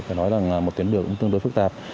phải nói rằng một tuyến đường cũng tương đối phức tạp